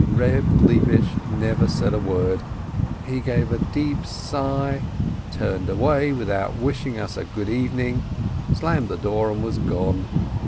Eeb Lebish said never a word, he gave a deep sigh, turned away without wishing us "good evening," slammed the door, and was gone.